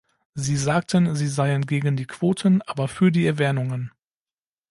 Sie sagten, Sie seien gegen die Quoten, aber für die Erwähnungen.